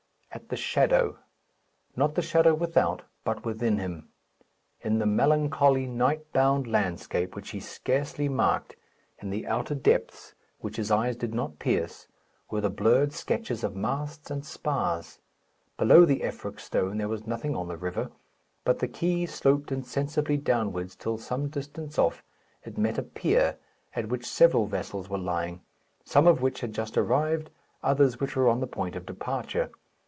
At the shadow; not the shadow without, but within him. In the melancholy night bound landscape, which he scarcely marked, in the outer depths, which his eyes did not pierce, were the blurred sketches of masts and spars. Below the Effroc stone there was nothing on the river; but the quay sloped insensibly downwards till, some distance off, it met a pier, at which several vessels were lying, some of which had just arrived, others which were on the point of departure.